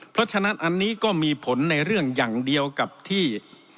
เพราะฉะนั้นอันนี้ก็มีผลในเรื่องอย่างเดียวกับที่